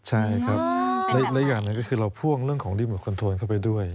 ใช่ครับและอย่างหนึ่งก็คือเราพ่วงเรื่องของดีเมอร์คอนโทนเข้าไปด้วย